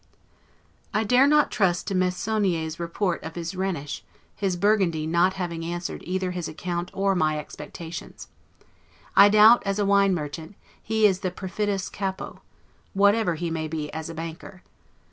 I dare not trust to Meyssonier's report of his Rhenish, his Burgundy not having answered either his account or my expectations. I doubt, as a wine merchant, he is the 'perfidus caupo', whatever he may be as a banker.